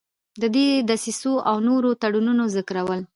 د دې دسیسو او نورو تړونونو ذکرول.